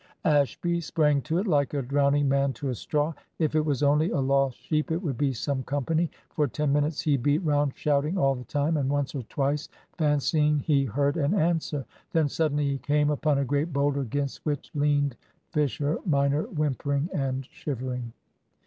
Ashby sprang to it like a drowning man to a straw. If it was only a lost sheep it would be some company. For ten minutes he beat round, shouting all the time, and once or twice fancying he heard an answer. Then suddenly he came upon a great boulder, against which leaned Fisher minor, whimpering and shivering.